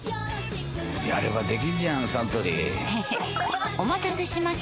やればできんじゃんサントリーへへっお待たせしました！